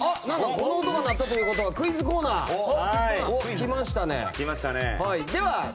この音が鳴ったということはクイズコーナー、きましたね。